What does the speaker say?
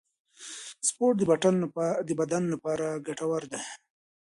سپورت د بدن لپاره ګټور دی